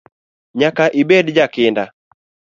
Nyaka ibed jakinda.